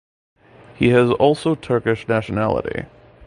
He has also Turkish nationality.